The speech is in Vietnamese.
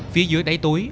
phía dưới đáy túi